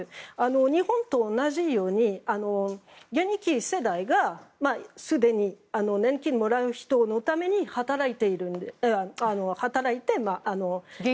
日本と同じように現役世代がすでに年金をもらう人のために働いて。